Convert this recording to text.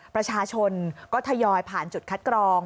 ประชาชนก็ทยอยผ่านจุดคัดกรอง